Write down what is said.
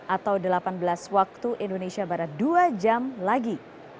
atau delapan belas waktu indonesia barat dua jam lagi